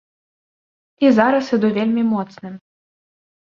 І зараз іду вельмі моцным.